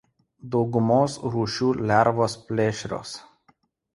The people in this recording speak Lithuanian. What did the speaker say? Daugumos rūšių lervos plėšrios.